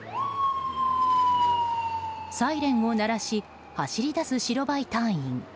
サイレンを鳴らし走り出す白バイ隊員。